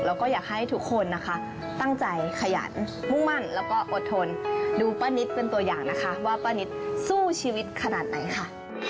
แล้วก็อยากให้ทุกคนนะคะตั้งใจขยันมุ่งมั่นแล้วก็อดทนดูป้านิตเป็นตัวอย่างนะคะว่าป้านิตสู้ชีวิตขนาดไหนค่ะ